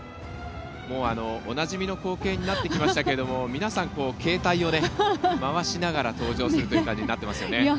おなじみの光景になってきましたが皆さん、携帯を回しながら登場するという感じになっていますよね。